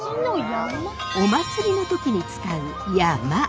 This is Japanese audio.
お祭りの時に使う山車！